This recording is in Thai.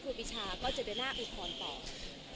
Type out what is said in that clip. ปีชาก็จะเดินหน้าอุทธรณ์ต่อ